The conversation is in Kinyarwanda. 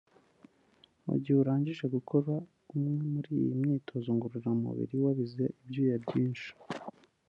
Mu gihe urangije gukora umwe muri iyi myitozo ngororamubiri wabize ibyuya byinshi